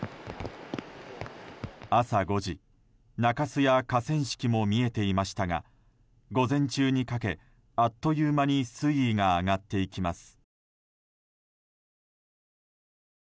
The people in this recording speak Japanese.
朝５時、中州や河川敷も見えていましたが午前中にかけ、あっという間に水位が上がっていきます。